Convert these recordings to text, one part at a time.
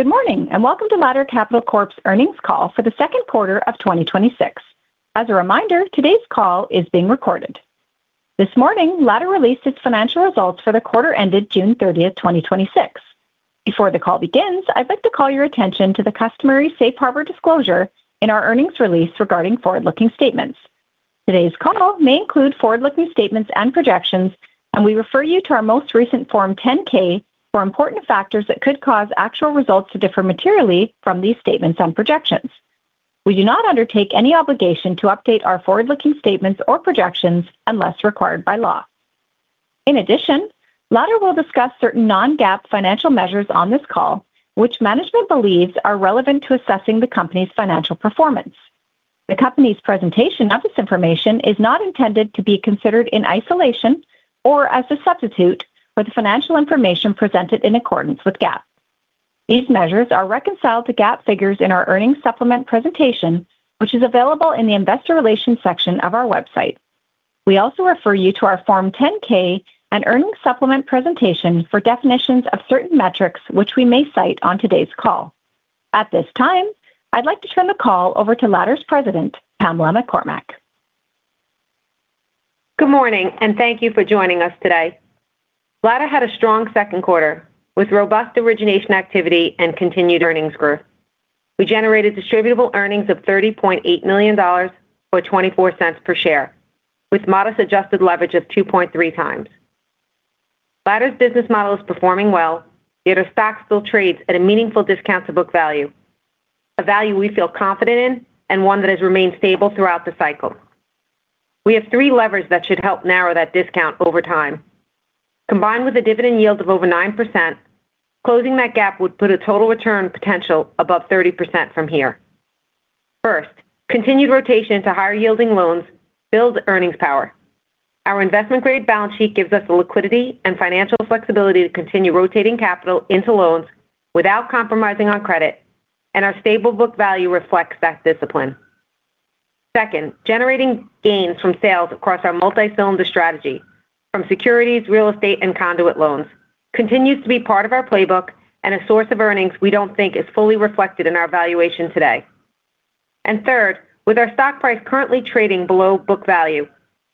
Good morning, and welcome to Ladder Capital Corp's earnings call for the Q2 of 2026. As a reminder, today's call is being recorded. This morning, Ladder released its financial results for the quarter ended June 30, 2026. Before the call begins, I'd like to call your attention to the customary safe harbor disclosure in our earnings release regarding forward-looking statements. Today's call may include forward-looking statements and projections, and we refer you to our most recent Form 10-K for important factors that could cause actual results to differ materially from these statements and projections. We do not undertake any obligation to update our forward-looking statements or projections unless required by law. In addition, Ladder will discuss certain non-GAAP financial measures on this call, which management believes are relevant to assessing the company's financial performance. The company's presentation of this information is not intended to be considered in isolation or as a substitute for the financial information presented in accordance with GAAP. These measures are reconciled to GAAP figures in our earnings supplement presentation, which is available in the investor relations section of our website. We also refer you to our Form 10-K and earnings supplement presentation for definitions of certain metrics which we may cite on today's call. At this time, I'd like to turn the call over to Ladder's President, Pamela McCormack. Good morning, and thank you for joining us today. Ladder had a strong Q2 with robust origination activity and continued earnings growth. We generated distributable earnings of $30.8 million, or $0.24 per share, with modest adjusted leverage of 2.3x. Ladder's business model is performing well, yet our stock still trades at a meaningful discount to book value, a value we feel confident in and one that has remained stable throughout the cycle. We have three levers that should help narrow that discount over time. Combined with a dividend yield of over nine percent, closing that gap would put a total return potential above 30% from here. First, continued rotation to higher yielding loans builds earnings power. Our investment-grade balance sheet gives us the liquidity and financial flexibility to continue rotating capital into loans without compromising on credit, and our stable book value reflects that discipline. Second, generating gains from sales across our multi-cylinder strategy from securities, real estate, and conduit loans continues to be part of our playbook and a source of earnings we don't think is fully reflected in our valuation today. Third, with our stock price currently trading below book value,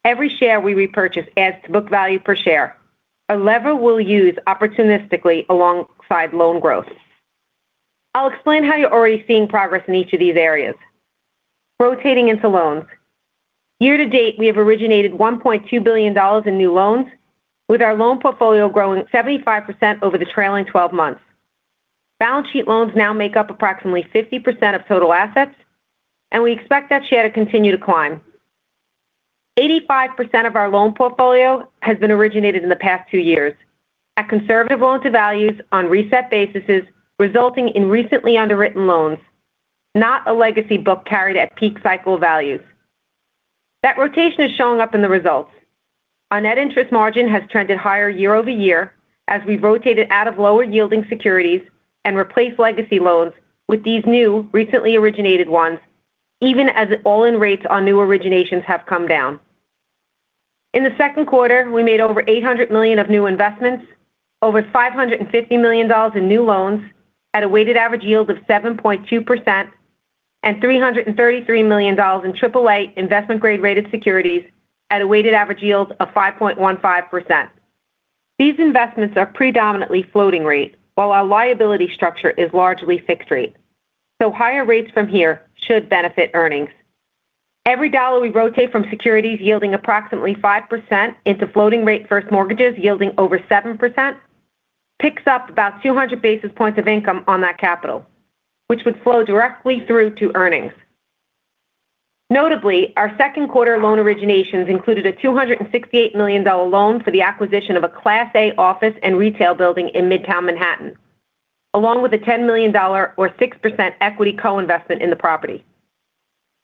every share we repurchase adds to book value per share, a lever we'll use opportunistically alongside loan growth. I'll explain how you're already seeing progress in each of these areas. Rotating into loans. Year to date, we have originated $1.2 billion in new loans, with our loan portfolio growing 75% over the trailing 12 months. Balance sheet loans now make up approximately 50% of total assets, and we expect that share to continue to climb. 85% of our loan portfolio has been originated in the past two years at conservative loan to values on reset bases, resulting in recently underwritten loans, not a legacy book carried at peak cycle values. That rotation is showing up in the results. Our net interest margin has trended higher year-over-year as we've rotated out of lower yielding securities and replaced legacy loans with these new recently originated ones, even as all-in rates on new originations have come down. In the Q2, we made over $800 million of new investments, over $550 million in new loans at a weighted average yield of 7.2%, and $333 million in AAA investment grade rated securities at a weighted average yield of 5.15%. These investments are predominantly floating rate, while our liability structure is largely fixed rate. Higher rates from here should benefit earnings. Every dollar we rotate from securities yielding approximately five percent into floating rate first mortgages yielding over seven percent picks up about 200 basis points of income on that capital, which would flow directly through to earnings. Notably, our Q2 loan originations included a $268 million loan for the acquisition of a Class A office and retail building in Midtown Manhattan, along with a $10 million or six percent equity co-investment in the property.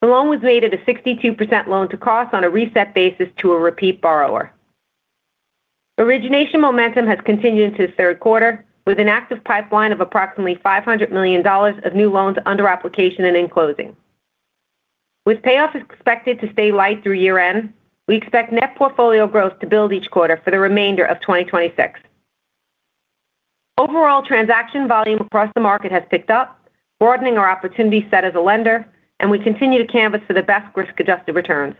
The loan was made at a 62% loan to cost on a reset basis to a repeat borrower. Origination momentum has continued into the Q3, with an active pipeline of approximately $500 million of new loans under application and in closing. With payoffs expected to stay light through year-end, we expect net portfolio growth to build each quarter for the remainder of 2026. Overall transaction volume across the market has picked up, broadening our opportunity set as a lender. We continue to canvas for the best risk-adjusted returns.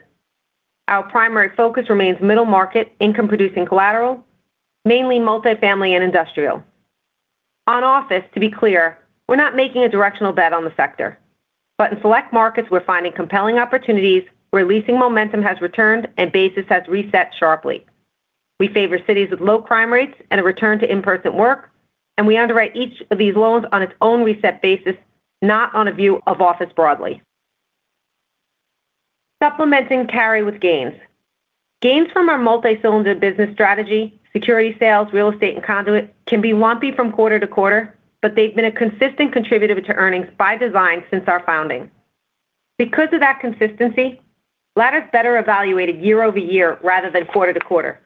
Our primary focus remains middle market income producing collateral, mainly multifamily and industrial. On office, to be clear, we're not making a directional bet on the sector. In select markets, we're finding compelling opportunities where leasing momentum has returned and basis has reset sharply. We favor cities with low crime rates and a return to in-person work. We underwrite each of these loans on its own reset basis, not on a view of office broadly. Supplementing carry with gains. Gains from our multi-cylinder business strategy, security sales, real estate, and conduit can be lumpy from quarter-to-quarter, but they've been a consistent contributor to earnings by design since our founding. Because of that consistency, Ladder's better evaluated year-over-year rather than quarter-to-quarter,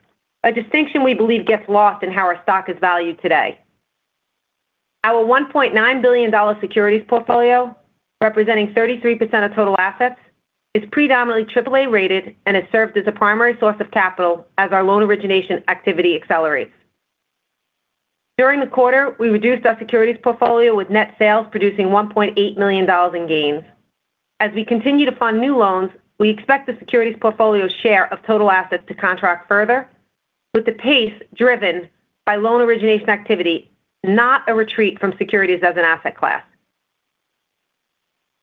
a distinction we believe gets lost in how our stock is valued today. Our $1.9 billion securities portfolio, representing 33% of total assets. It's predominantly AAA rated and has served as a primary source of capital as our loan origination activity accelerates. During the quarter, we reduced our securities portfolio with net sales producing $1.8 million in gains. As we continue to fund new loans, we expect the securities portfolio share of total assets to contract further with the pace driven by loan origination activity, not a retreat from securities as an asset class.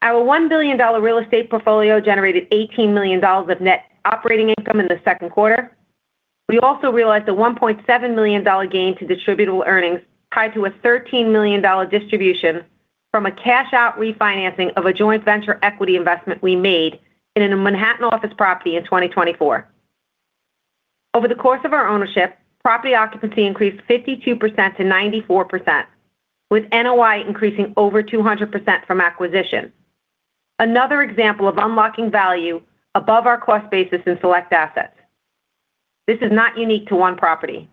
Our $1 billion real estate portfolio generated $18 million of net operating income in the Q2. We also realized a $1.7 million gain to distributable earnings tied to a $13 million distribution from a cash-out refinancing of a joint venture equity investment we made in a Manhattan office property in 2024. Over the course of our ownership, property occupancy increased 52% to 94%, with NOI increasing over 200% from acquisition. Another example of unlocking value above our cost basis in select assets. This is not unique to one property.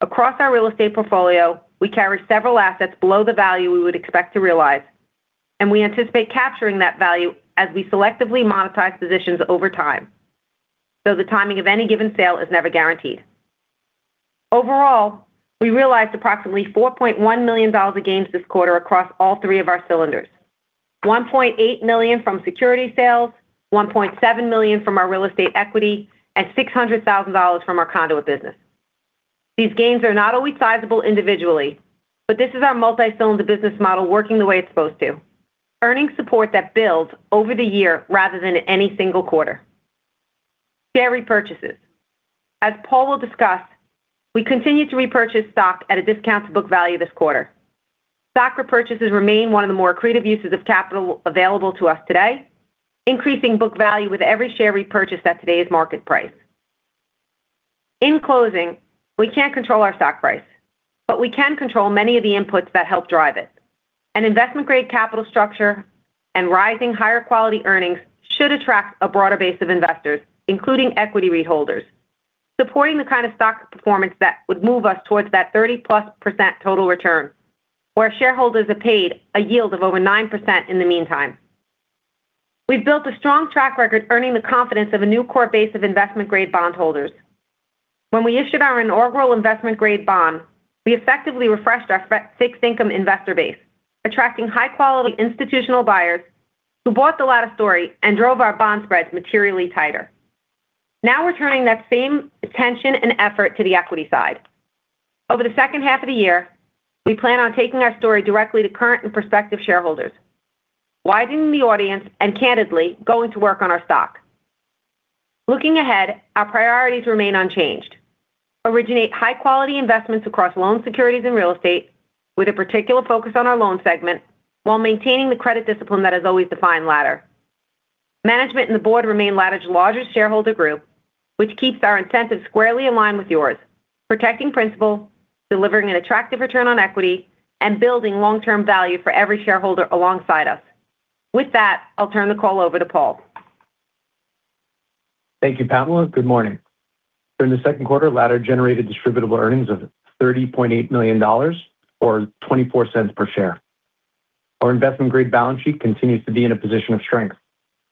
Across our real estate portfolio, we carry several assets below the value we would expect to realize, and we anticipate capturing that value as we selectively monetize positions over time. The timing of any given sale is never guaranteed. Overall, we realized approximately $4.1 million of gains this quarter across all three of our cylinders. $1.8 million from security sales, $1.7 million from our real estate equity, and $600,000 from our conduit business. These gains are not always sizable individually, but this is our multi-cylinder business model working the way it's supposed to, earning support that builds over the year rather than any single quarter. Share repurchases. As Paul will discuss, we continue to repurchase stock at a discount to book value this quarter. Stock repurchases remain one of the more creative uses of capital available to us today, increasing book value with every share repurchase at today's market price. In closing, we can't control our stock price, but we can control many of the inputs that help drive it. An investment-grade capital structure and rising higher quality earnings should attract a broader base of investors, including equity rate holders, supporting the kind of stock performance that would move us towards that 30+% total return, where shareholders are paid a yield of over nine percent in the meantime. We've built a strong track record earning the confidence of a new core base of investment-grade bondholders. When we issued our inaugural investment-grade bond, we effectively refreshed our fixed income investor base, attracting high-quality institutional buyers who bought the Ladder story and drove our bond spreads materially tighter. Now we're turning that same attention and effort to the equity side. Over the second half of the year, we plan on taking our story directly to current and prospective shareholders, widening the audience and candidly going to work on our stock. Looking ahead, our priorities remain unchanged. Originate high-quality investments across loans, securities, and real estate with a particular focus on our loan segment while maintaining the credit discipline that has always defined Ladder. Management and the board remain Ladder's largest shareholder group, which keeps our incentives squarely aligned with yours. Protecting principal, delivering an attractive return on equity, and building long-term value for every shareholder alongside us. With that, I'll turn the call over to Paul. Thank you, Pamela. Good morning. During the Q2, Ladder generated distributable earnings of $30.8 million, or $0.24 per share. Our investment-grade balance sheet continues to be in a position of strength,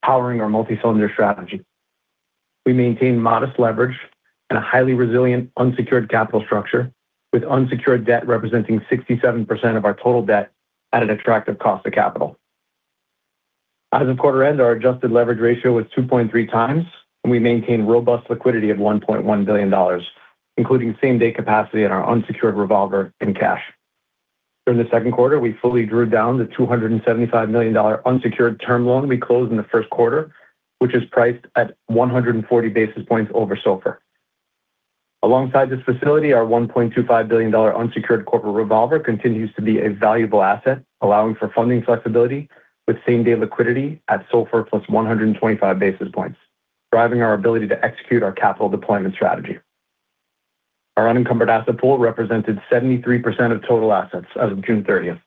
powering our multi-cylinder strategy. We maintain modest leverage and a highly resilient unsecured capital structure, with unsecured debt representing 67% of our total debt at an attractive cost of capital. As of quarter end, our adjusted leverage ratio was 2.3x, and we maintain robust liquidity of $1.1 billion, including same-day capacity in our unsecured revolver and cash. During the Q2, we fully drew down the $275 million unsecured term loan we closed in the Q1, which is priced at 140 basis points over SOFR. Alongside this facility, our $1.25 billion unsecured corporate revolver continues to be a valuable asset, allowing for funding flexibility with same-day liquidity at SOFR plus 125 basis points, driving our ability to execute our capital deployment strategy. Our unencumbered asset pool represented 73% of total assets as of June 30th.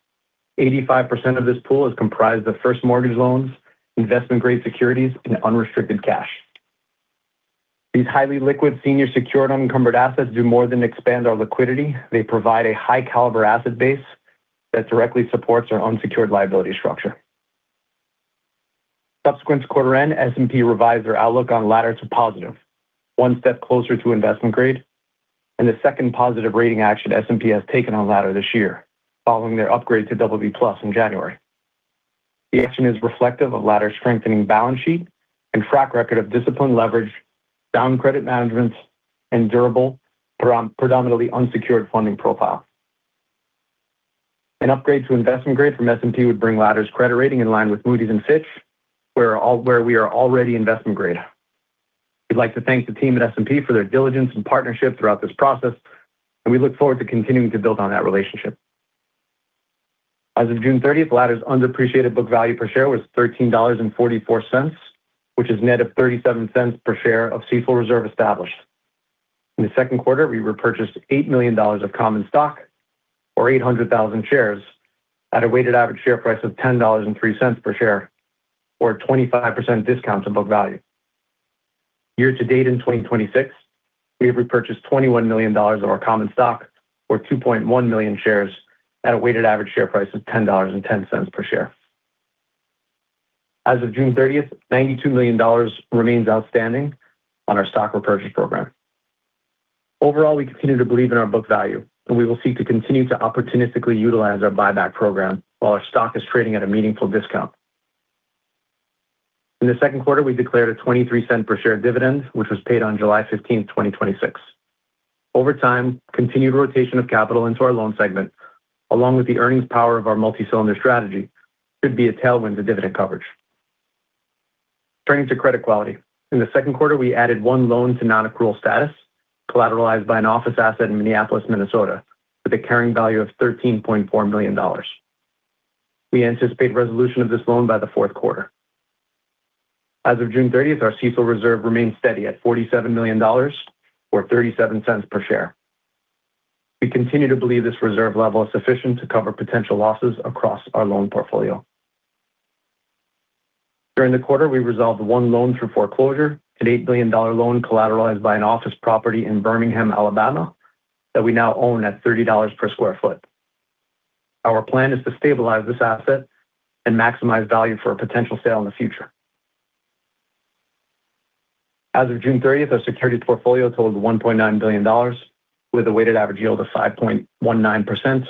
85% of this pool is comprised of first mortgage loans, investment-grade securities, and unrestricted cash. These highly liquid senior secured unencumbered assets do more than expand our liquidity. They provide a high-caliber asset base that directly supports our unsecured liability structure. Subsequent to quarter end, S&P revised their outlook on Ladder to positive, one step closer to investment grade, and the second positive rating action S&P has taken on Ladder this year following their upgrade to BB+ in January. The action is reflective of Ladder's strengthening balance sheet and track record of disciplined leverage, sound credit management, and durable, predominantly unsecured funding profile. An upgrade to investment grade from S&P would bring Ladder's credit rating in line with Moody's and Fitch, where we are already investment grade. We'd like to thank the team at S&P for their diligence and partnership throughout this process, and we look forward to continuing to build on that relationship. As of June 30th, Ladder's underappreciated book value per share was $13.44, which is net of $0.37 per share of CECL reserve established. In the Q2, we repurchased $8 million of common stock or 800,000 shares at a weighted average share price of $10.03 per share or a 25% discount to book value. Year-to-date in 2026, we have repurchased $21 million of our common stock, or 2.1 million shares at a weighted average share price of $10.10 per share. As of June 30th, $92 million remains outstanding on our stock repurchase program. Overall, we continue to believe in our book value, and we will seek to continue to opportunistically utilize our buyback program while our stock is trading at a meaningful discount. In the Q2, we declared a $0.23 per share dividend, which was paid on July 15th, 2026. Over time, continued rotation of capital into our loan segment, along with the earnings power of our multi-cylinder strategy, should be a tailwind to dividend coverage. Turning to credit quality. In the Q2, we added one loan to non-accrual status, collateralized by an office asset in Minneapolis, Minnesota with a carrying value of $13.4 million. We anticipate resolution of this loan by the fourth quarter. As of June 30th, our CECL reserve remains steady at $47 million or $0.37 per share. We continue to believe this reserve level is sufficient to cover potential losses across our loan portfolio. During the quarter, we resolved one loan through foreclosure, an $8 million loan collateralized by an office property in Birmingham, Alabama that we now own at $30 per square foot. Our plan is to stabilize this asset and maximize value for a potential sale in the future. As of June 30th, our securities portfolio totaled $1.9 billion, with a weighted average yield of 5.19%.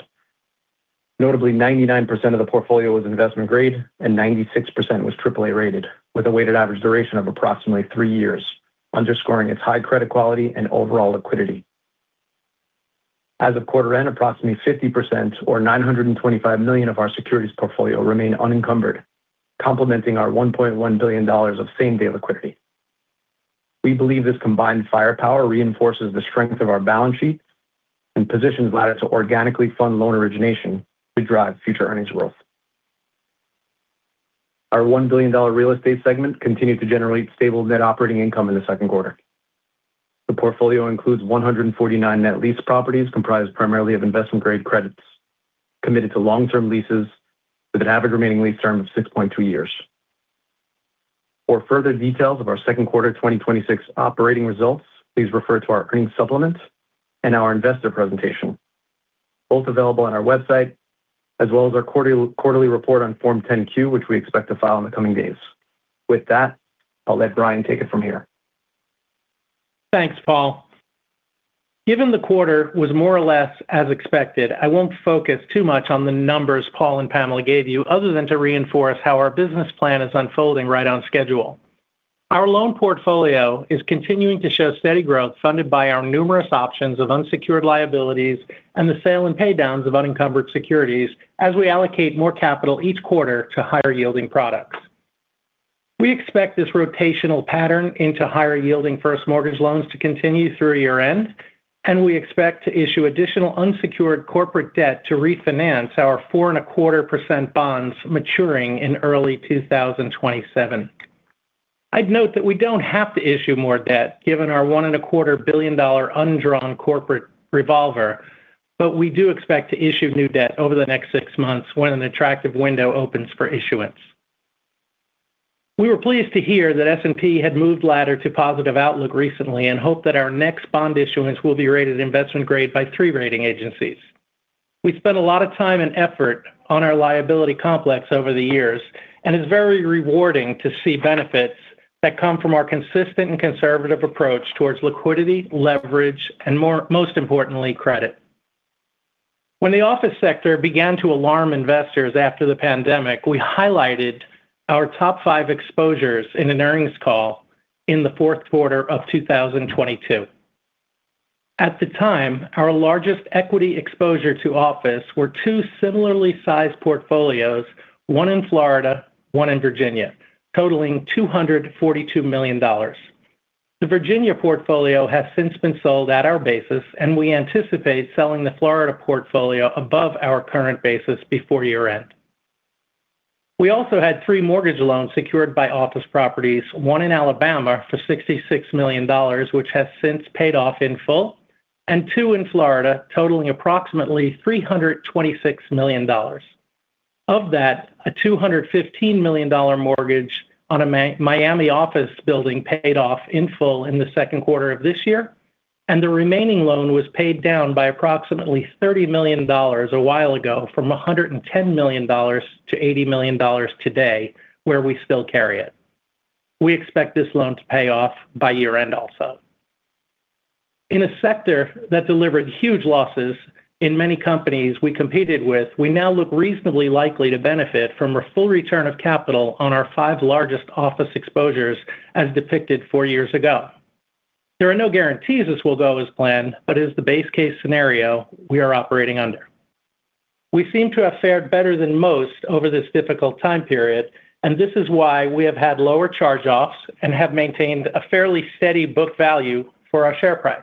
Notably, 99% of the portfolio was investment grade and 96% was AAA rated with a weighted average duration of approximately three years, underscoring its high credit quality and overall liquidity. As of quarter end, approximately 50% or $925 million of our securities portfolio remain unencumbered, complementing our $1.1 billion of same-day liquidity. We believe this combined firepower reinforces the strength of our balance sheet and positions Ladder to organically fund loan origination to drive future earnings growth. Our $1 billion real estate segment continued to generate stable net operating income in the Q2. The portfolio includes 149 net lease properties comprised primarily of investment-grade credits committed to long-term leases with an average remaining lease term of 6.2 years. For further details of our Q2 2026 operating results, please refer to our earnings supplement and our investor presentation, both available on our website as well as our quarterly report on Form 10-Q, which we expect to file in the coming days. With that, I'll let Brian take it from here. Thanks, Paul. Given the quarter was more or less as expected, I won't focus too much on the numbers Paul and Pamela gave you other than to reinforce how our business plan is unfolding right on schedule. Our loan portfolio is continuing to show steady growth funded by our numerous options of unsecured liabilities and the sale and pay downs of unencumbered securities as we allocate more capital each quarter to higher-yielding products. We expect this rotational pattern into higher-yielding first mortgage loans to continue through year-end. We expect to issue additional unsecured corporate debt to refinance our 4.25% bonds maturing in early 2027. I'd note that we don't have to issue more debt given our $1.25 billion undrawn corporate revolver, but we do expect to issue new debt over the next six months when an attractive window opens for issuance. We were pleased to hear that S&P had moved Ladder to positive outlook recently and hope that our next bond issuance will be rated investment grade by three rating agencies. We've spent a lot of time and effort on our liability complex over the years, and it's very rewarding to see benefits that come from our consistent and conservative approach towards liquidity, leverage, and most importantly, credit. When the office sector began to alarm investors after the pandemic, we highlighted our top five exposures in an earnings call in the Q4 of 2022. At the time, our largest equity exposure to office were two similarly sized portfolios, one in Florida, one in Virginia, totaling $242 million. The Virginia portfolio has since been sold at our basis, and we anticipate selling the Florida portfolio above our current basis before year-end. We also had three mortgage loans secured by office properties, one in Alabama for $66 million, which has since paid off in full, and two in Florida totaling approximately $326 million. Of that, a $215 million mortgage on a Miami office building paid off in full in the Q2 of this year, and the remaining loan was paid down by approximately $30 million a while ago from $110 million to $80 million today, where we still carry it. We expect this loan to pay off by year-end also. In a sector that delivered huge losses in many companies we competed with, we now look reasonably likely to benefit from a full return of capital on our five largest office exposures as depicted four years ago. There are no guarantees this will go as planned, but it is the base case scenario we are operating under. We seem to have fared better than most over this difficult time period. This is why we have had lower charge-offs and have maintained a fairly steady book value for our share price.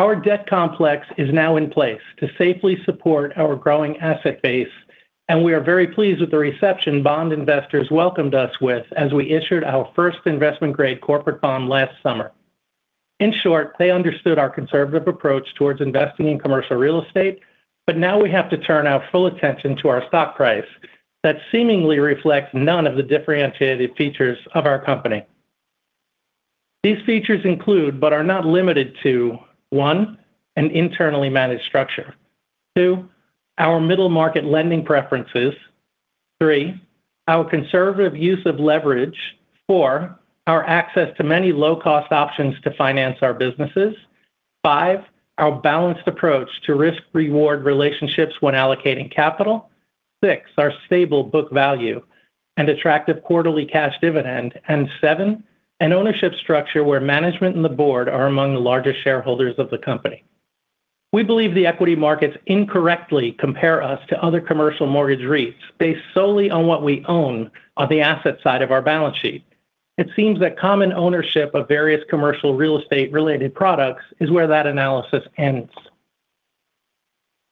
Our debt complex is now in place to safely support our growing asset base. We are very pleased with the reception bond investors welcomed us with as we issued our first investment-grade corporate bond last summer. In short, they understood our conservative approach towards investing in commercial real estate. Now we have to turn our full attention to our stock price that seemingly reflects none of the differentiated features of our company. These features include, but are not limited to, one, an internally managed structure. Two, our middle market lending preferences. Three, our conservative use of leverage. Four, our access to many low-cost options to finance our businesses. Five, our balanced approach to risk-reward relationships when allocating capital. Six, our stable book value and attractive quarterly cash dividend. Seven, an ownership structure where management and the board are among the largest shareholders of the company. We believe the equity markets incorrectly compare us to other commercial mortgage REITs based solely on what we own on the asset side of our balance sheet. It seems that common ownership of various commercial real estate-related products is where that analysis ends.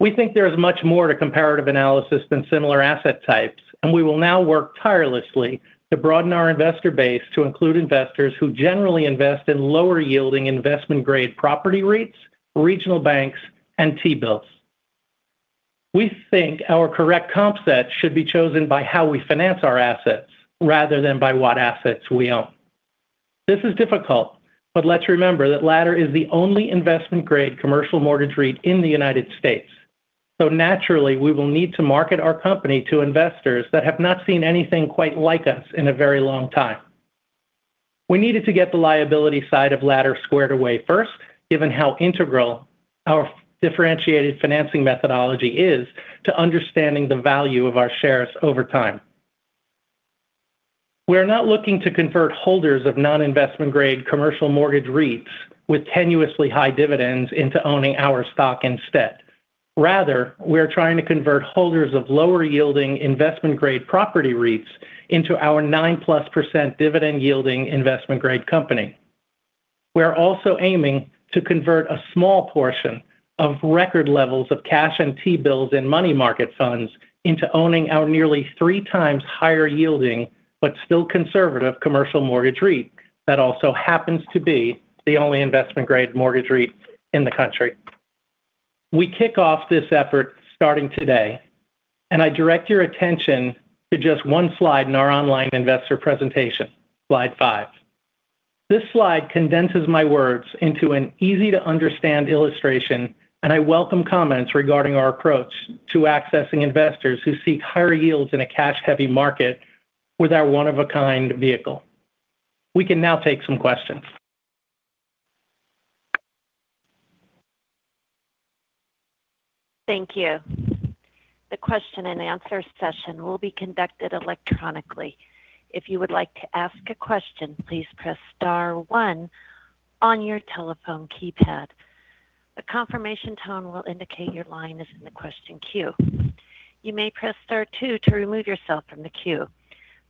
We think there is much more to comparative analysis than similar asset types. We will now work tirelessly to broaden our investor base to include investors who generally invest in lower-yielding investment-grade property REITs, regional banks, and T-bills. We think our correct comp set should be chosen by how we finance our assets rather than by what assets we own. This is difficult. Let's remember that Ladder is the only investment-grade commercial mortgage REIT in the U.S. Naturally, we will need to market our company to investors that have not seen anything quite like us in a very long time. We needed to get the liability side of Ladder squared away first, given how integral our differentiated financing methodology is to understanding the value of our shares over time. We are not looking to convert holders of non-investment grade commercial mortgage REITs with tenuously high dividends into owning our stock instead. Rather, we are trying to convert holders of lower-yielding investment-grade property REITs into our nine-plus percent dividend-yielding investment-grade company. We are also aiming to convert a small portion of record levels of cash and T-bills and money market funds into owning our nearly 3x higher yielding, but still conservative commercial mortgage REIT that also happens to be the only investment-grade mortgage REIT in the country. We kick off this effort starting today. I direct your attention to just one slide in our online investor presentation, slide five. This slide condenses my words into an easy-to-understand illustration. I welcome comments regarding our approach to accessing investors who seek higher yields in a cash-heavy market with our one-of-a-kind vehicle. We can now take some questions. Thank you. The question and answer session will be conducted electronically. If you would like to ask a question, please press star one on your telephone keypad. A confirmation tone will indicate your line is in the question queue. You may press star two to remove yourself from the queue.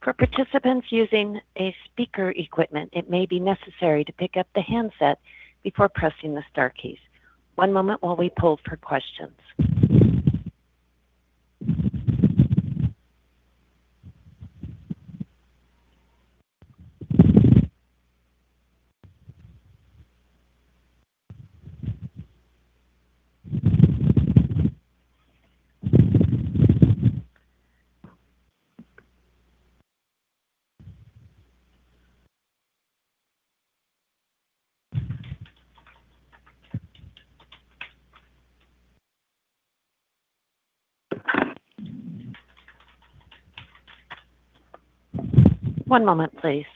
For participants using speaker equipment, it may be necessary to pick up the handset before pressing the star keys. One moment while we poll for questions. One moment, please.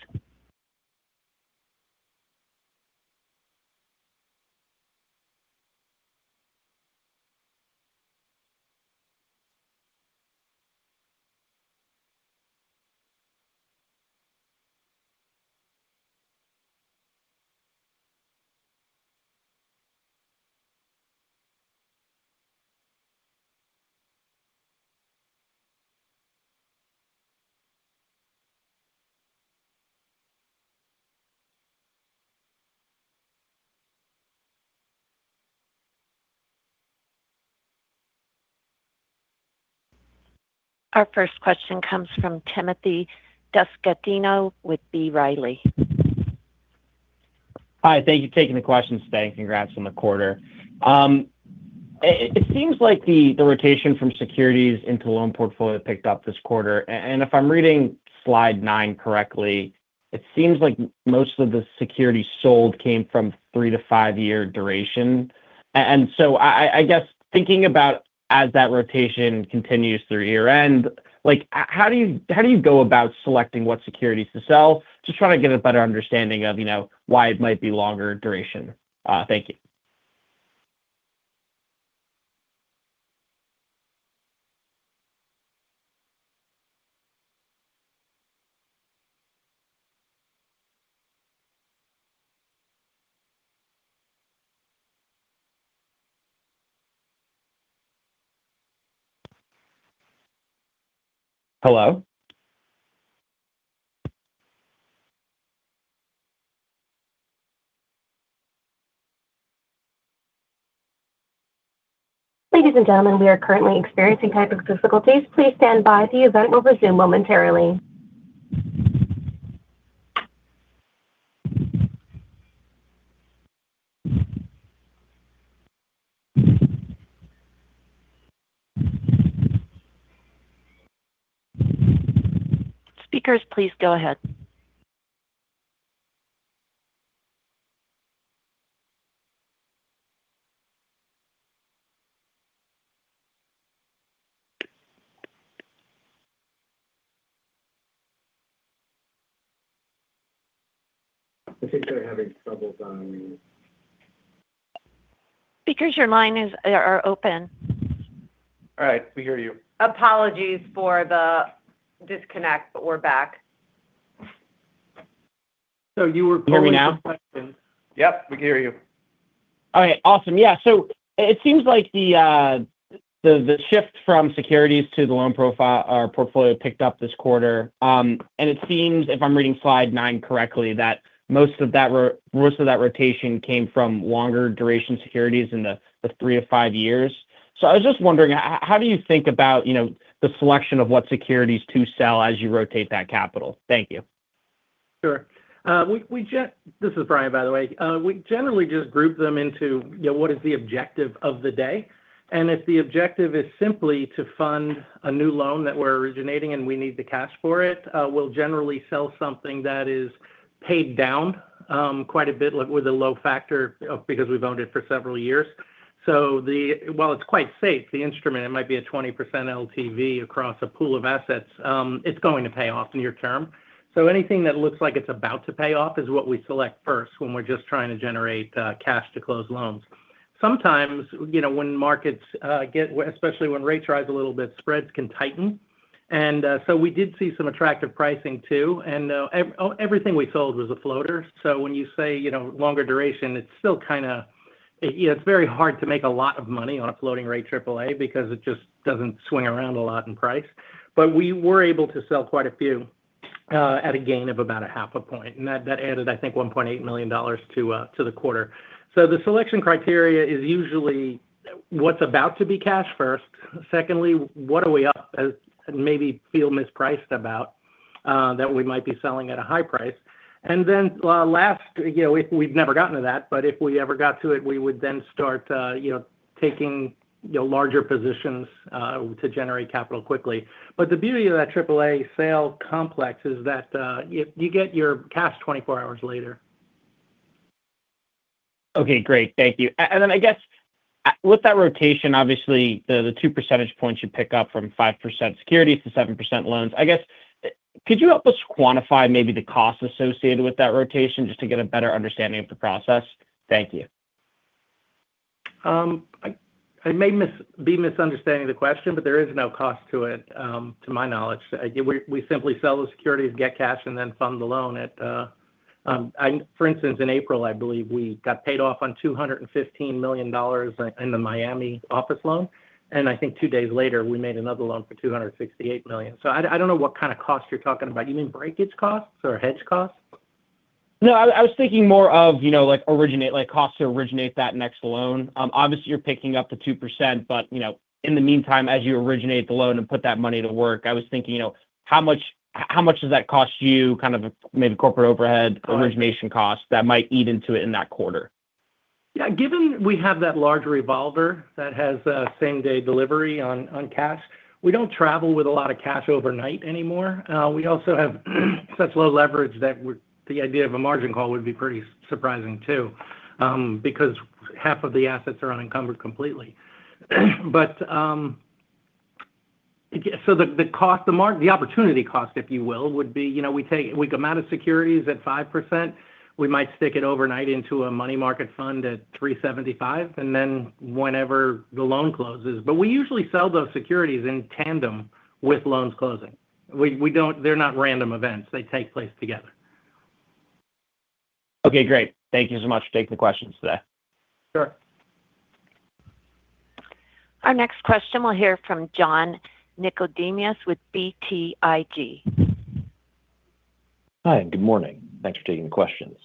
Our first question comes from Timothy D'Agostino with B. Riley. Hi, thank you for taking the questions today. Congrats on the quarter. It seems like the rotation from securities into loan portfolio picked up this quarter. If I'm reading slide nine correctly, it seems like most of the securities sold came from three-five-year duration. I guess, thinking about as that rotation continues through year-end, how do you go about selecting what securities to sell? Just trying to get a better understanding of why it might be longer duration. Thank you. Hello? Ladies and gentlemen, we are currently experiencing technical difficulties. Please stand by. The event will resume momentarily. Speakers, please go ahead. I think they're having troubles on- Speakers, your line is open. All right, we hear you. Apologies for the disconnect, but we're back. You were posing some questions. Can you hear me now? Yep, we can hear you. All right, awesome. It seems like the shift from securities to the loan portfolio picked up this quarter. It seems, if I'm reading slide nine correctly, that most of that rotation came from longer duration securities in the three - five years. I was just wondering, how do you think about the selection of what securities to sell as you rotate that capital? Thank you. Sure. This is Brian, by the way. We generally just group them into what is the objective of the day. If the objective is simply to fund a new loan that we're originating and we need the cash for it, we'll generally sell something that is paid down quite a bit with a low factor because we've owned it for several years. While it's quite safe, the instrument, it might be a 20% LTV across a pool of assets, it's going to pay off near term. Anything that looks like it's about to pay off is what we select first when we're just trying to generate cash to close loans. Sometimes, especially when rates rise a little bit, spreads can tighten. We did see some attractive pricing too, and everything we sold was a floater. When you say longer duration, it's very hard to make a lot of money on a floating rate AAA because it just doesn't swing around a lot in price. We were able to sell quite a few at a gain of about a half a point. That added, I think, $1.8 million to the quarter. The selection criteria is usually what's about to be cashed first. Secondly, what are we up as maybe feel mispriced about that we might be selling at a high price. Last, we've never gotten to that, but if we ever got to it, we would then start taking larger positions to generate capital quickly. The beauty of that AAA sale complex is that you get your cash 24 hours later. Okay, great. Thank you. I guess with that rotation, obviously the two percentage points you pick up from five percent securities to seven percent loans, I guess, could you help us quantify maybe the cost associated with that rotation just to get a better understanding of the process? Thank you. I may be misunderstanding the question, there is no cost to it, to my knowledge. We simply sell the securities, get cash, then fund the loan. For instance, in April, I believe we got paid off on $215 million in the Miami office loan, I think two days later we made another loan for $268 million. I don't know what kind of cost you're talking about. You mean breakage costs or hedge costs? No, I was thinking more of costs to originate that next loan. Obviously, you're picking up the two percent, but in the meantime, as you originate the loan and put that money to work, I was thinking how much does that cost you, kind of maybe corporate overhead- Right origination costs that might eat into it in that quarter? Yeah, given we have that large revolver that has same-day delivery on cash, we don't travel with a lot of cash overnight anymore. We also have such low leverage that the idea of a margin call would be pretty surprising too, because half of the assets are unencumbered completely. The opportunity cost, if you will, would be we come out of securities at five percent, we might stick it overnight into a money market fund at 3.75%, and then whenever the loan closes. We usually sell those securities in tandem with loans closing. They're not random events. They take place together. Okay, great. Thank you so much for taking the questions today. Sure. Our next question we'll hear from John Nicodemus with BTIG. Hi, good morning. Thanks for taking the questions.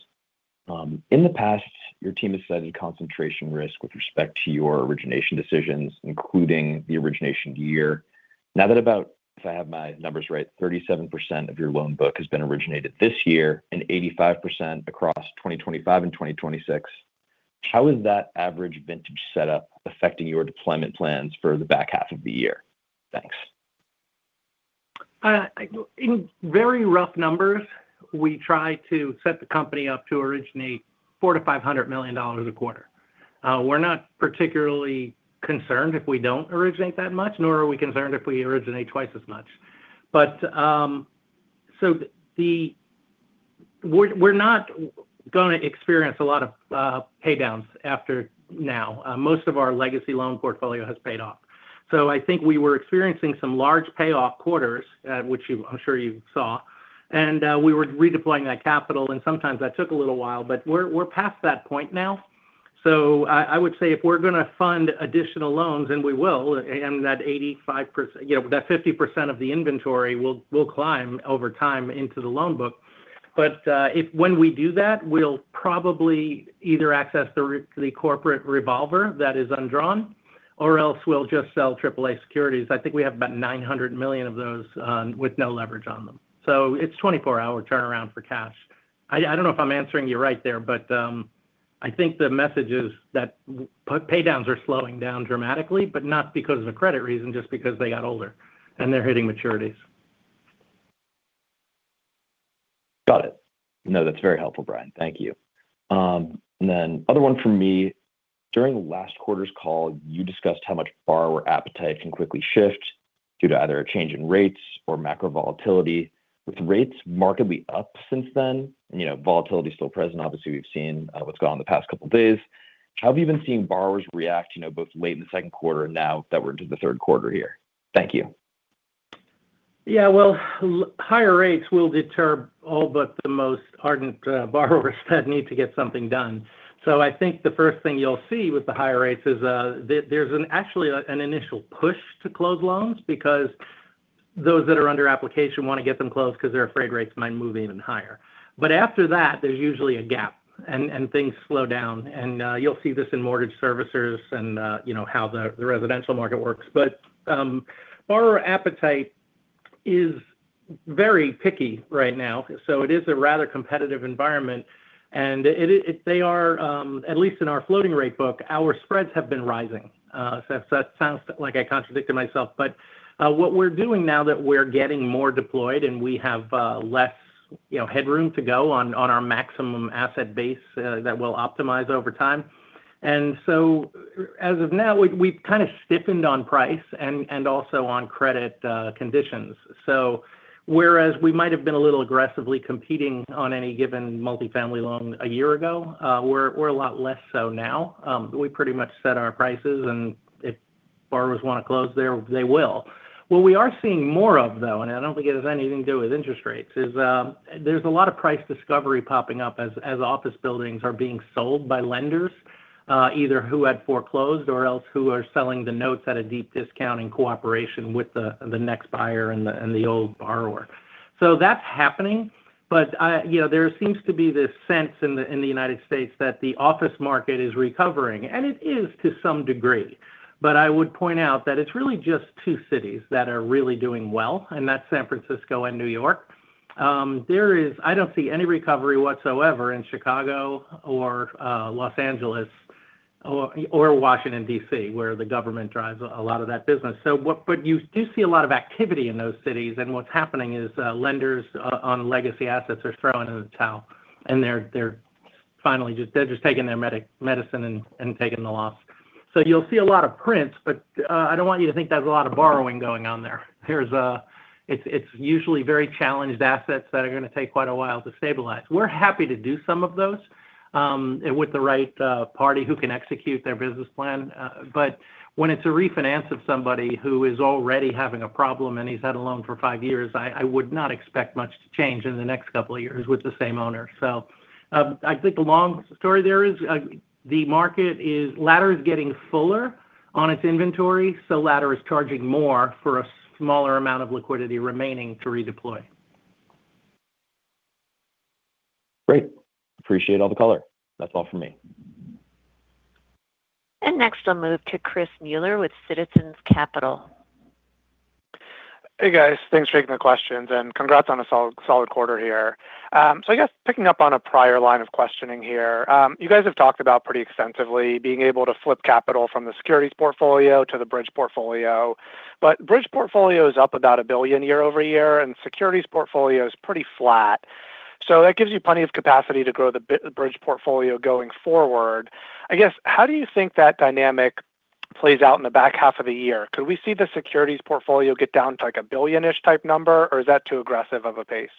In the past, your team has cited concentration risk with respect to your origination decisions, including the origination year. Now that about, if I have my numbers right, 37% of your loan book has been originated this year and 85% across 2025 and 2026, how is that average vintage setup affecting your deployment plans for the back half of the year? Thanks. In very rough numbers, we try to set the company up to originate $400 million - $500 million a quarter. We're not particularly concerned if we don't originate that much, nor are we concerned if we originate twice as much. We're not going to experience a lot of pay downs after now. Most of our legacy loan portfolio has paid off. I think we were experiencing some large payoff quarters, which I'm sure you saw, and we were redeploying that capital, and sometimes that took a little while, but we're past that point now. I would say if we're going to fund additional loans, and we will, and that 50% of the inventory will climb over time into the loan book. When we do that, we'll probably either access the corporate revolver that is undrawn, or else we'll just sell AAA securities. I think we have about $900 million of those with no leverage on them. It's 24-hour turnaround for cash. I don't know if I'm answering you right there, but I think the message is that pay downs are slowing down dramatically, but not because of a credit reason, just because they got older and they're hitting maturities. Got it. No, that's very helpful, Brian. Thank you. Other one from me, during last quarter's call, you discussed how much borrower appetite can quickly shift due to either a change in rates or macro volatility. With rates markedly up since then and volatility still present, obviously we've seen what's gone on the past couple of days. How have you been seeing borrowers react both late in the second quarter and now that we're into the third quarter here? Thank you. Well, higher rates will deter all but the most ardent borrowers that need to get something done. I think the first thing you'll see with the higher rates is there's actually an initial push to close loans because those that are under application want to get them closed because they're afraid rates might move even higher. After that, there's usually a gap and things slow down. You'll see this in mortgage servicers and how the residential market works. Borrower appetite is very picky right now, so it is a rather competitive environment. At least in our floating rate book, our spreads have been rising. That sounds like I contradicted myself, but what we're doing now that we're getting more deployed and we have less headroom to go on our maximum asset base that we'll optimize over time. As of now, we've kind of stiffened on price and also on credit conditions. Whereas we might have been a little aggressively competing on any given multifamily loan a year ago, we're a lot less so now. We pretty much set our prices, and if borrowers want to close there, they will. What we are seeing more of, though, and I don't think it has anything to do with interest rates, is there's a lot of price discovery popping up as office buildings are being sold by lenders, either who had foreclosed or else who are selling the notes at a deep discount in cooperation with the next buyer and the old borrower. That's happening. There seems to be this sense in the United States that the office market is recovering, and it is to some degree. I would point out that it's really just two cities that are really doing well, and that's San Francisco and New York. I don't see any recovery whatsoever in Chicago or Los Angeles or Washington, D.C., where the government drives a lot of that business. You do see a lot of activity in those cities. What's happening is lenders on legacy assets are throwing in the towel, and they're finally just taking their medicine and taking the loss. You'll see a lot of prints, but I don't want you to think there's a lot of borrowing going on there. It's usually very challenged assets that are going to take quite a while to stabilize. We're happy to do some of those with the right party who can execute their business plan. When it's a refinance of somebody who is already having a problem and he's had a loan for five years, I would not expect much to change in the next couple of years with the same owner. I think the long story there is the market is-- Ladder is getting fuller on its inventory, so Ladder is charging more for a smaller amount of liquidity remaining to redeploy. Great. Appreciate all the color. That's all from me. Next I'll move to Chris Muller with Citizens Capital. Hey, guys. Thanks for taking the questions and congrats on a solid quarter here. I guess picking up on a prior line of questioning here. You guys have talked about pretty extensively being able to flip capital from the securities portfolio to the bridge portfolio. Bridge portfolio is up about $1 billion year-over-year, and the securities portfolio is pretty flat. That gives you plenty of capacity to grow the bridge portfolio going forward. I guess, how do you think that dynamic plays out in the back half of the year? Could we see the securities portfolio get down to, like, a $1 billion-ish type number, or is that too aggressive of a pace?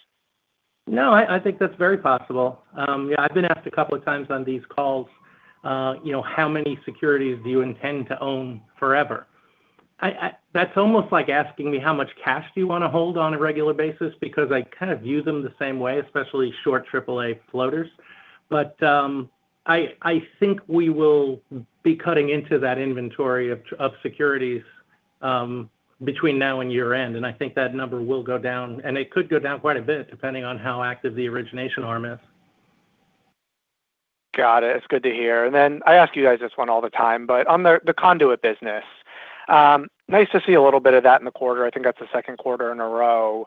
No, I think that's very possible. Yeah, I've been asked a couple of times on these calls how many securities do you intend to own forever? That's almost like asking me how much cash do you want to hold on a regular basis, because I kind of view them the same way, especially short AAA floaters. I think we will be cutting into that inventory of securities between now and year-end, and I think that number will go down, and it could go down quite a bit depending on how active the origination arm is. Got it. It's good to hear. I ask you guys this one all the time, but on the conduit business, nice to see a little bit of that in the quarter. I think that's the Q2 in a row,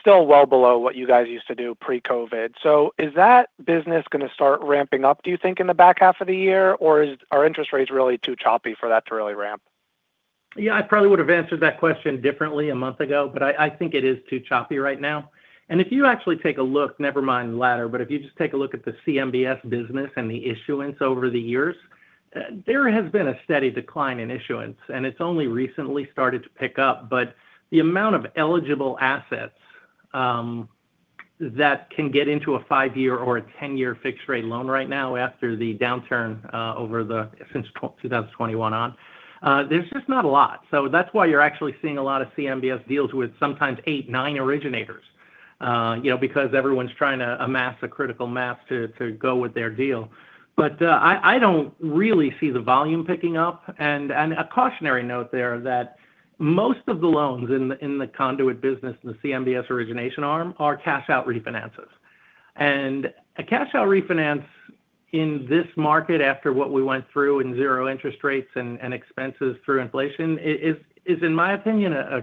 still well below what you guys used to do pre-COVID. Is that business going to start ramping up, do you think, in the back half of the year, or are interest rates really too choppy for that to really ramp? Yeah, I probably would have answered that question differently a month ago, I think it is too choppy right now. If you actually take a look, never mind Ladder, if you just take a look at the CMBS business and the issuance over the years, there has been a steady decline in issuance, and it's only recently started to pick up. The amount of eligible assets that can get into a five-year or a 10-year fixed rate loan right now after the downturn over since 2021 on, there's just not a lot. That's why you're actually seeing a lot of CMBS deals with sometimes eight, nine originators. Everyone's trying to amass a critical mass to go with their deal. I don't really see the volume picking up. A cautionary note there that most of the loans in the conduit business and the CMBS origination arm are cash-out refinances. A cash-out refinance in this market, after what we went through in zero interest rates and expenses through inflation, is in my opinion, a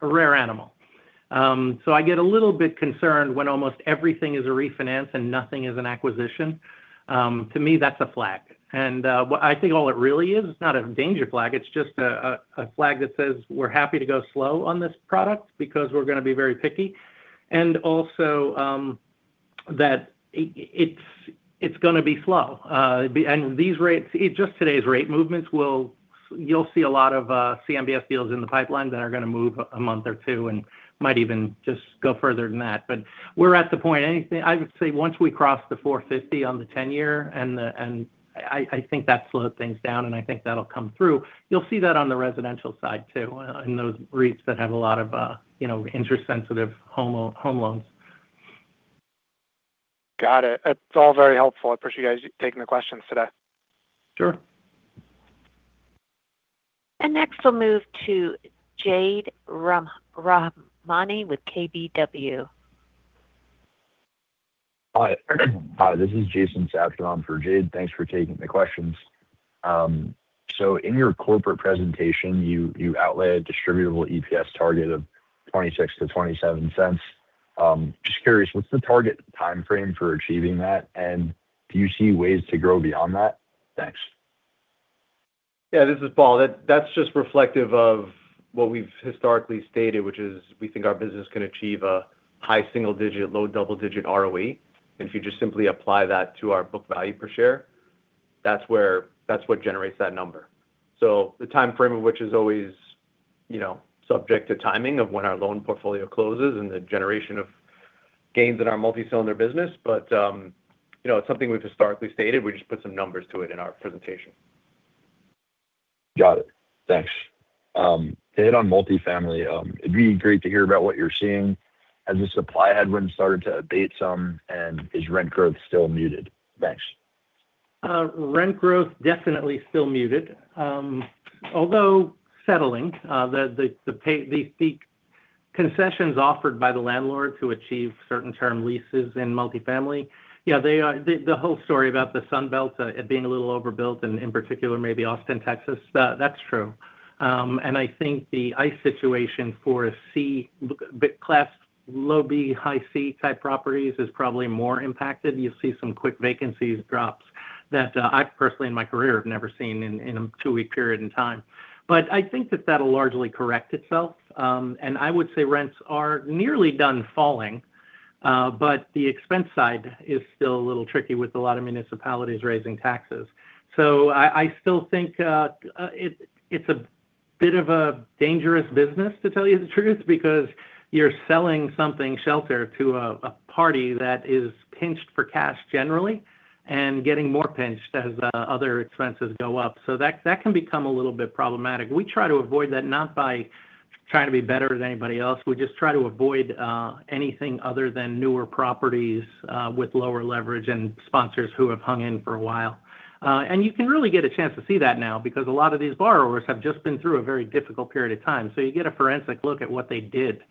rare animal. I get a little bit concerned when almost everything is a refinance and nothing is an acquisition. To me, that's a flag. What I think all it really is, it's not a danger flag, it's just a flag that says we're happy to go slow on this product because we're going to be very picky, and also that it's going to be slow. Just today's rate movements, you'll see a lot of CMBS deals in the pipeline that are going to move a month or two and might even just go further than that. We're at the point, I would say once we cross the 450 on the 10-year, I think that slowed things down, and I think that'll come through. You'll see that on the residential side too, in those REITs that have a lot of interest-sensitive home loans. Got it. That's all very helpful. I appreciate you guys taking the questions today. Sure. Next we'll move to Jade Rahmani with KBW. Hi, this is Jason substituting for Jade. Thanks for taking the questions. In your corporate presentation, you outlay a distributable EPS target of $0.26 - $0.27. Just curious, what's the target timeframe for achieving that, and do you see ways to grow beyond that? Thanks. Yeah, this is Paul. That is just reflective of what we have historically stated, which is we think our business can achieve a high single digit, low double digit ROE. If you just simply apply that to our book value per share, that is what generates that number. The timeframe of which is always subject to timing of when our loan portfolio closes and the generation of gains in our multi-cylinder business. It is something we have historically stated. We just put some numbers to it in our presentation. Got it. Thanks. To hit on multifamily, it would be great to hear about what you are seeing as the supply headwind started to abate some, is rent growth still muted? Thanks. Rent growth definitely still muted. Although settling, the concessions offered by the landlord to achieve certain term leases in multifamily. Yeah, the whole story about the Sun Belt being a little overbuilt and in particular maybe Austin, Texas, that is true. I think the ICE situation for C-- class low B, high C type properties is probably more impacted. You will see some quick vacancies drops that I personally in my career have never seen in a two-week period in time. I think that that will largely correct itself. I would say rents are nearly done falling. The expense side is still a little tricky with a lot of municipalities raising taxes. I still think it is a bit of a dangerous business, to tell you the truth, because you are selling something, shelter, to a party that is pinched for cash generally and getting more pinched as other expenses go up. That can become a little bit problematic. We try to avoid that, not by trying to be better than anybody else. We just try to avoid anything other than newer properties with lower leverage and sponsors who have hung in for a while. You can really get a chance to see that now because a lot of these borrowers have just been through a very difficult period of time. You get a forensic look at what they did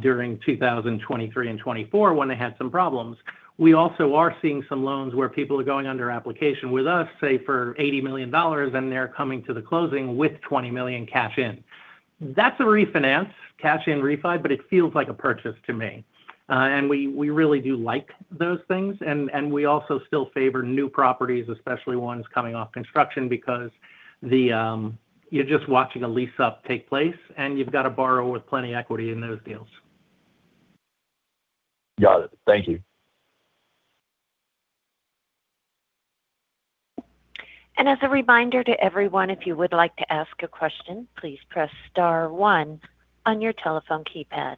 during 2023 and 2024 when they had some problems. We also are seeing some loans where people are going under application with us, say for $80 million, and they're coming to the closing with $20 million cash in. That's a refinance, cash-in refi, but it feels like a purchase to me. We really do like those things and we also still favor new properties, especially ones coming off construction because you're just watching a lease-up take place and you've got a borrower with plenty equity in those deals. Got it. Thank you. As a reminder to everyone, if you would like to ask a question, please press star one on your telephone keypad.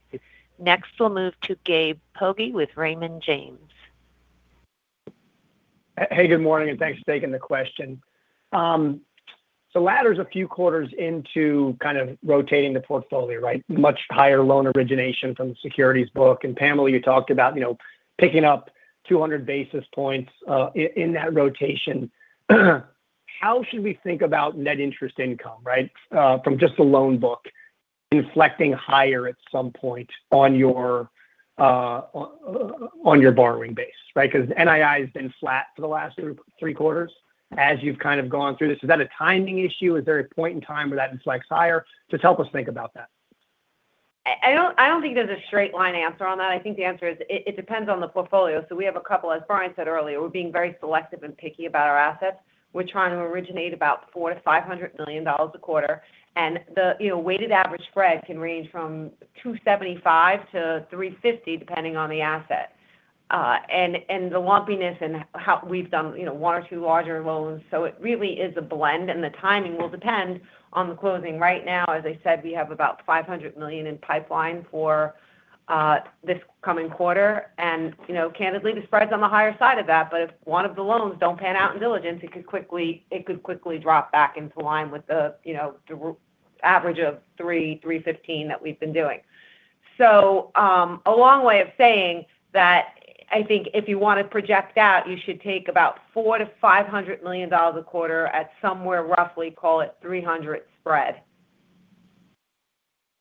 Next we'll move to Gabe Poggi with Raymond James. Hey, good morning and thanks for taking the question. Ladder's a few quarters into kind of rotating the portfolio, right? Much higher loan origination from the securities book. Pamela, you talked about picking up 200 basis points in that rotation. How should we think about net interest income, right? From just the loan book inflecting higher at some point on your borrowing base, right? Because NII has been flat for the last three quarters as you've kind of gone through this. Is that a timing issue? Is there a point in time where that inflects higher? Just help us think about that. I don't think there's a straight line answer on that. I think the answer is it depends on the portfolio. We have a couple, as Brian said earlier, we're being very selective and picky about our assets. We're trying to originate about $400 million - $500 million a quarter. The weighted average spread can range from 275 - 350 depending on the asset. The lumpiness in how we've done one or two larger loans. It really is a blend and the timing will depend on the closing. Right now, as I said, we have about $500 million in pipeline for this coming quarter. Candidly, the spread's on the higher side of that, but if one of the loans don't pan out in diligence, it could quickly drop back into line with the average of 300, 315 that we've been doing. A long way of saying that I think if you want to project out, you should take about $400 million -to $500 million a quarter at somewhere roughly, call it 300 spread.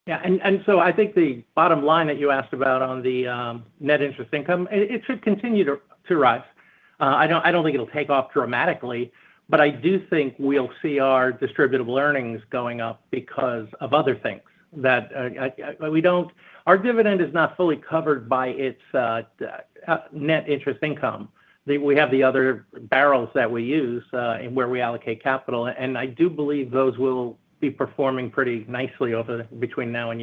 I think the bottom line that you asked about on the net interest income, it should continue to rise. I don't think it'll take off dramatically, but I do think we'll see our distributable earnings going up because of other things. Our dividend is not fully covered by its net interest income. We have the other barrels that we use, where we allocate capital, and I do believe those will be performing pretty nicely between now and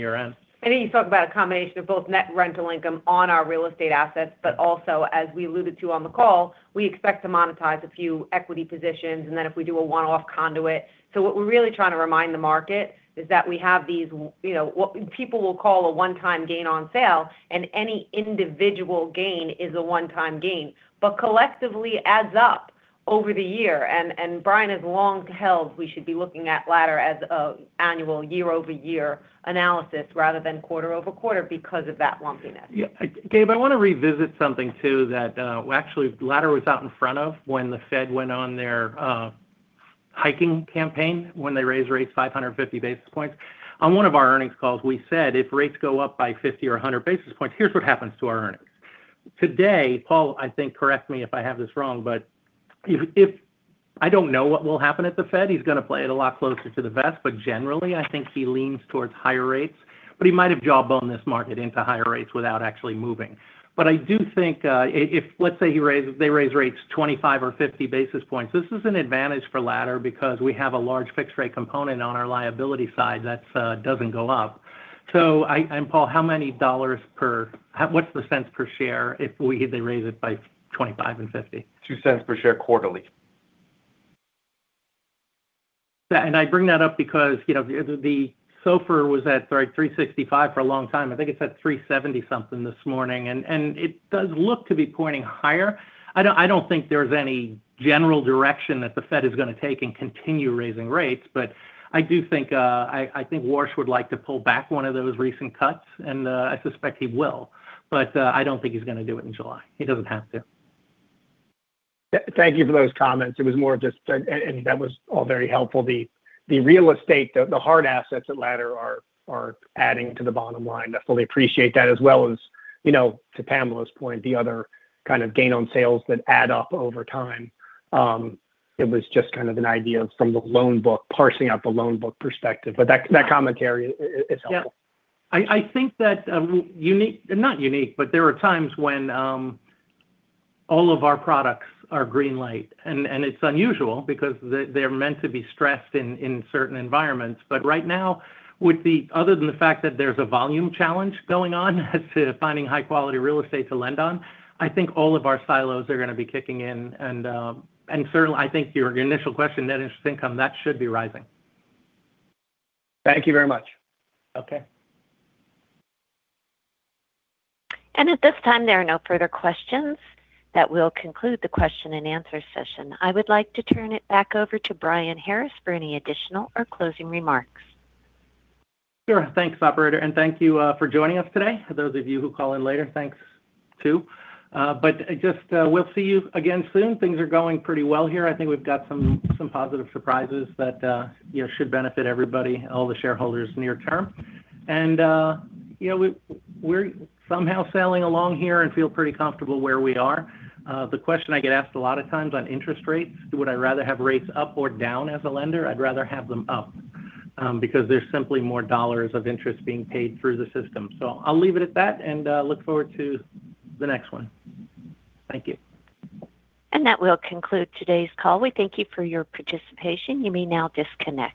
year-end. You talk about a combination of both net rental income on our real estate assets, but also, as we alluded to on the call, we expect to monetize a few equity positions, and then if we do a one-off conduit. What we're really trying to remind the market is that we have these, what people will call a one-time gain on sale, and any individual gain is a one-time gain, but collectively adds up over the year. Brian has long held we should be looking at Ladder as an annual year-over-year analysis rather than quarter-over-quarter because of that lumpiness. Yeah. Gabe, I want to revisit something too that, actually, Ladder was out in front of when the Fed went on their hiking campaign, when they raised rates 550 basis points. On one of our earnings calls, we said, "If rates go up by 50 or 100 basis points, here's what happens to our earnings." Today, Paul, I think, correct me if I have this wrong, but I don't know what will happen at the Fed. He's going to play it a lot closer to the vest, but generally, I think he leans towards higher rates, but he might have jawboned this market into higher rates without actually moving. I do think if let's say they raise rates 25 or 50 basis points, this is an advantage for Ladder because we have a large fixed-rate component on our liability side that doesn't go up. Paul, what's the cents per share if they raise it by 25 and 50? $0.02 per share quarterly. I bring that up because the SOFR was at 365 for a long time. I think it's at 370-something this morning, and it does look to be pointing higher. I don't think there's any general direction that the Fed is going to take in continue raising rates, but I think Warsh would like to pull back one of those recent cuts, and I suspect he will. I don't think he's going to do it in July. He doesn't have to. Thank you for those comments. That was all very helpful. The real estate, the hard assets at Ladder are adding to the bottom line. I fully appreciate that as well as, to Pamela's point, the other kind of gain on sales that add up over time. It was just kind of an idea from the loan book parsing out the loan book perspective. That commentary is helpful. Yeah. I think that there are times when all of our products are green-light, and it's unusual because they're meant to be stressed in certain environments. Right now, other than the fact that there's a volume challenge going on as to finding high-quality real estate to lend on, I think all of our silos are going to be kicking in. Certainly, I think your initial question, net interest income, that should be rising. Thank you very much. Okay. At this time, there are no further questions. That will conclude the question and answer session. I would like to turn it back over to Brian Harris for any additional or closing remarks. Sure. Thanks, operator. Thank you for joining us today. For those of you who call in later, thanks too. We'll see you again soon. Things are going pretty well here. I think we've got some positive surprises that should benefit everybody, all the shareholders near term. We're somehow sailing along here and feel pretty comfortable where we are. The question I get asked a lot of times on interest rates, would I rather have rates up or down as a lender? I'd rather have them up because there's simply more $ of interest being paid through the system. I'll leave it at that and look forward to the next one. Thank you. That will conclude today's call. We thank you for your participation. You may now disconnect.